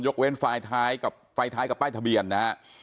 ยกเว้นไฟล์ท้ายกับป้ายทะเบียนนะฮะ